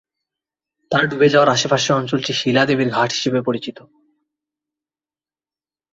তার ডুবে যাওয়ার আশেপাশের অঞ্চলটি শিলা দেবীর ঘাট হিসাবে পরিচিত।